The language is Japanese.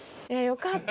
よかった。